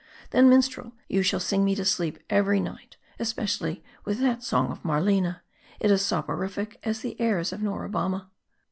" Then, minstrel, you shall sing me to sleep every night, especially with that song of Marlena ; it is soporific as the airs of Nora Bamma."